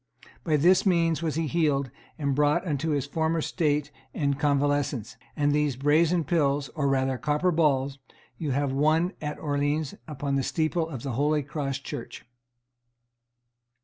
By this means was he healed and brought unto his former state and convalescence; and of these brazen pills, or rather copper balls, you have one at Orleans, upon the steeple of the Holy Cross Church.